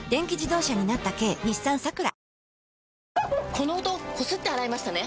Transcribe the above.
この音こすって洗いましたね？